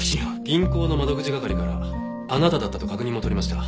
銀行の窓口係からあなただったと確認も取りました。